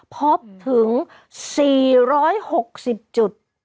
พบถึง๔๖๐จุด